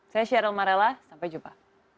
saya sheryl marela sampai jumpa